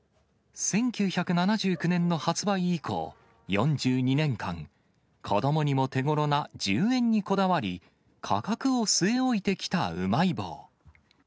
１９７９年の発売以降、４２年間、子どもにも手ごろな１０円にこだわり、価格を据え置いてきたうまい棒。